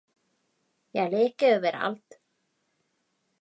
Jag leker överallt.